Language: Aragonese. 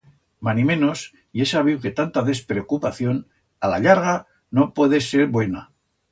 Manimenos, ye sabiu que tanta despreocupación, a la llarga, no puede ser buena.